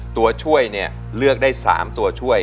ตัวช่วยเนี่ยเลือกได้๓ตัวช่วย